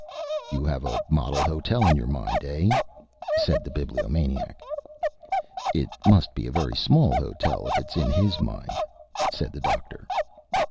"You have a model hotel in your mind, eh?" said the Bibliomaniac. "It must be a very small hotel if it's in his mind," said the Doctor.